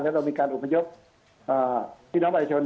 ทีนี้เร่งมีการอุพยพพี่น้องประหลาดชน